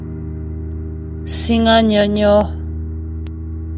Síŋ á nyə́nyɔ́.